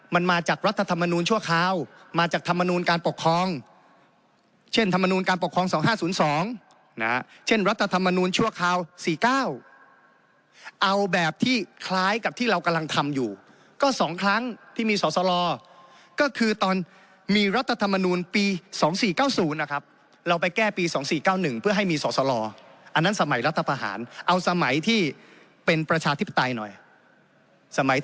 มันมาจากรัฐธรรมนุนชั่วคราวมาจากธรรมนุนการปกคล้องเช่นธรรมนุนการปกคล้องสองห้าศูนย์สองนะเช่นรัฐธรรมนุนชั่วคราวสี่เก้าเอาแบบที่คล้ายกับที่เรากำลังทำอยู่ก็สองครั้งที่มีสอสลอก็คือตอนมีรัฐธรรมนุนปีสองสี่เก้าศูนย์นะครับเราไปแก้ปีสองสี่เก้าหนึ่งเพื่อให้มีสอส